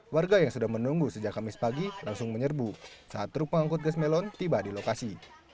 warga yang sudah menunggu sejak kamis pagi langsung menyerbu saat truk pengangkut gas melon tiba di lokasi